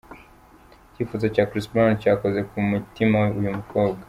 Icyifuzo cya Chris Brown cyakoze ku mutima uyu mukobwa.